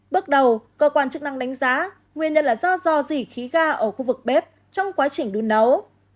bước đầu cơ quan chức năng đánh giá nguyên nhân là do do dỉ khí ga ở khu vực bếp trong quá trình đun nấu